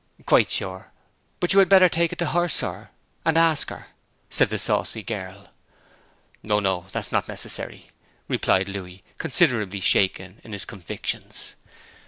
'Quite sure. But you had better take it to her, sir, and ask her,' said the saucy girl. 'Oh, no; that's not necessary,' replied Louis, considerably shaken in his convictions.